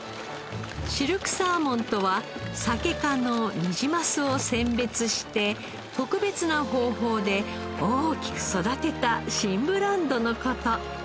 シルクサーモンとはサケ科のニジマスを選別して特別な方法で大きく育てた新ブランドの事。